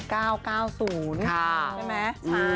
ค่ะใช่ไหมใช่